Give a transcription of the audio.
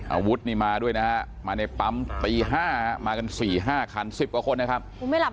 อาวุธนี่มาด้วยนะฮะมาในปั๊มตี๕มากัน๔๕คัน๑๐กว่าคนนะครับ